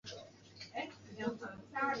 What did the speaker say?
肝炎是描述肝脏发炎的现象。